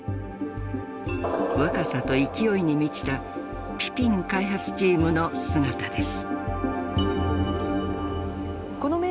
若さと勢いに満ちたピピン開発チームの姿です。